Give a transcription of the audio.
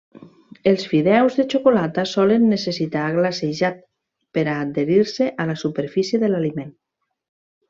Els fideus de xocolata solen necessitar glacejat per a adherir-se a la superfície de l'aliment.